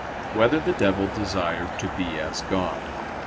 3] Whether the Devil Desired to Be As God?